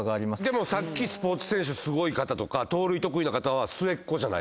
でもさっきスポーツ選手すごい方とか盗塁得意な方は末っ子じゃないですか。